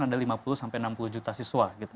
ada lima puluh sampai enam puluh juta siswa gitu